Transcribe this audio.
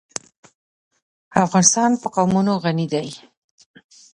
افغانستان په قومونه غني دی.